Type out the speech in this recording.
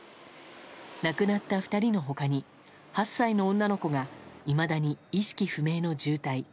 亡くなった２人のほかに８歳の女の子がいまだに意識不明の重体。